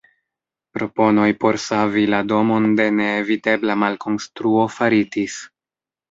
Proponoj por savi la domon de neevitebla malkonstruo faritis.